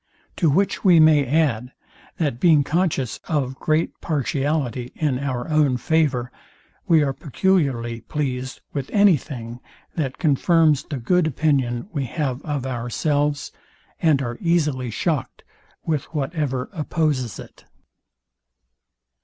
To which we may add, that being conscious of great partiality in our own favour, we are peculiarly pleased with any thing, that confirms the good opinion we have of ourselves, and are easily shocked with whatever opposes it. Book I, Part III. Sect.